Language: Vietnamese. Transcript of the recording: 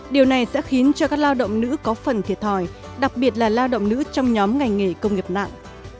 điều này sẽ khiến cho các lao động nữ có phần thiệt hỏi đặc biệt là lao động nữ trong nhóm ngành nghề công nghiệp nặng